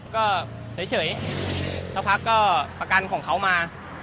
ก็เฉยเท่าก็ประกันของเขามา